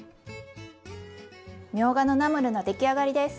みょうがのナムルの出来上がりです。